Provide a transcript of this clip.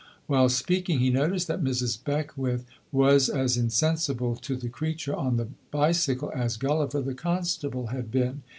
While speaking he noticed that Mrs. Beckwith was as insensible to the creature on the bicycle as Gulliver the constable had been.